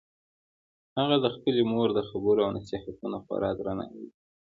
هغه د خپلې مور د خبرو او نصیحتونو خورا درناوی کوي